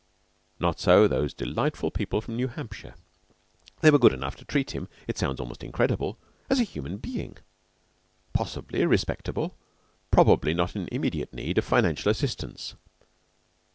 Not so those delightful people from New Hampshire. They were good enough to treat him it sounds almost incredible as a human being, possibly respectable, probably not in immediate need of financial assistance.